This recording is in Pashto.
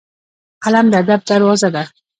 قلم د ادب دروازه ده